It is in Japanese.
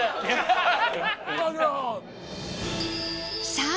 さあ